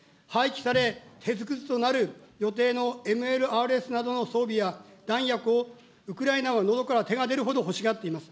廃棄され、鉄くずとなる予定のＭＬＲＳなどの装備や弾薬を、ウクライナはのどから手が出るほど欲しがっています。